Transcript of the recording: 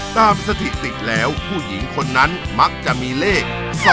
สถิติแล้วผู้หญิงคนนั้นมักจะมีเลข๒